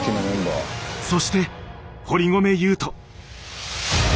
そして堀米雄斗。